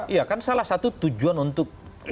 iya kan salah satu tujuan untuk